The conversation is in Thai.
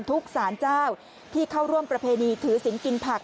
ทุกสารเจ้าที่เข้าร่วมประเพณีถือศิลปกินผัก